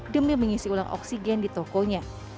demi mengisi ulang oksigen di tokonya